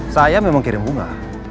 saya memang kirim bunga